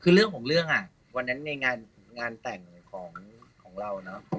คือเรื่องของเรื่องอ่ะวันนั้นในงานแต่งของเราเนอะ